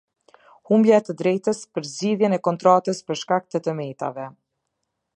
Humbja e të drejtës për zgjidhjen e kontratës për shkak të të metave.